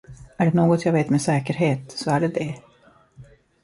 Är det något jag vet med säkerhet, så är det det.